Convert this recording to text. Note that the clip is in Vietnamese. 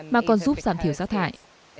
mà còn giúp giảm thiểu giá thải